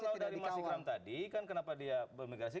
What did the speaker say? nah tadi kalau dari mas ikram tadi kan kenapa dia berimigrasi